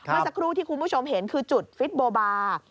เมื่อสักครู่ที่คุณผู้ชมเห็นคือจุดฟิตโบบาร์